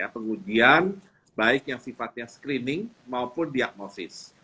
pengujian baik yang sifatnya screening maupun diagnosis